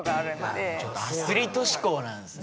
アスリート志向なんですね。